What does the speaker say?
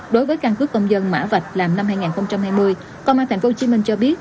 đối với căn cứ công dân mã vạch làm năm hai nghìn hai mươi công an tp hcm cho biết